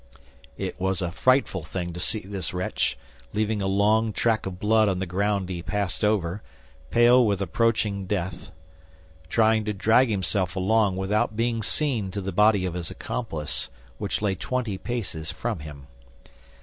It was a frightful thing to see this wretch, leaving a long track of blood on the ground he passed over, pale with approaching death, trying to drag himself along without being seen to the body of his accomplice, which lay twenty paces from him.